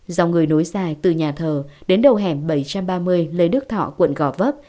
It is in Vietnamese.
dòng người nối dài từ nhà thờ đến đầu hẻm bảy trăm ba mươi lê đức thọ quận gò vấp